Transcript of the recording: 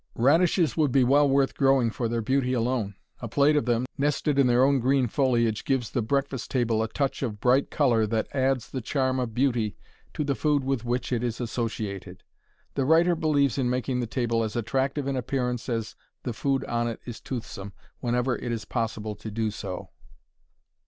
Radishes would be well worth growing for their beauty alone. A plate of them, nested in their own green foliage gives the breakfast table a touch of bright color that adds the charm of beauty to the food with which it is associated. The writer believes in making the table as attractive in appearance as the food on it is toothsome whenever it is possible to do so.